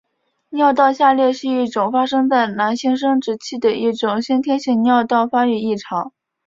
尿道下裂是一种发生在男性生殖器的一种先天性尿道发育异常。